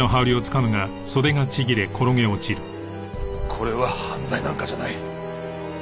これは犯罪なんかじゃない。